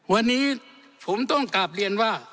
วันนี้ผมต้องกลับเรียนว่า